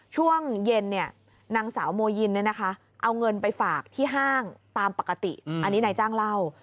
ช่วงเย็นนางสาวโมยินเอาเงินไปฝากที่ห้างตามปกติอันนี้นายจ้างเล่า